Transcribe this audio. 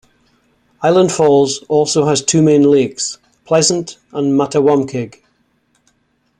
Island Falls also has two main lakes, Pleasant and Mattawamkeag.